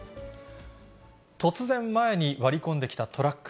突然前に割り込んできたトラック。